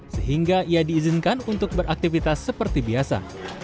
sehingga ia diizinkan untuk beraktivitas seperti biasa